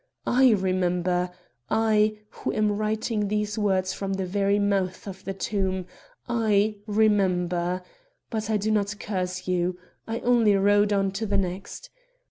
I remember. I, who am writing these words from the very mouth of the tomb, I remember; but I did not curse you. I only rode on to the next.